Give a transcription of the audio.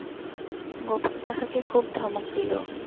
গোপাল তাহাকে খুব ধমক দিল।